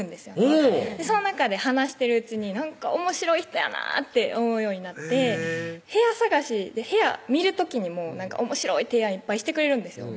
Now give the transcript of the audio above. おぉその中で話してるうちになんかおもしろい人やなって思うようになって部屋探し部屋見る時にもおもしろい提案いっぱいしてくれるんですよ